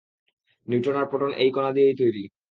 Neutron আর proton এই কণা দিয়েই তৈরি।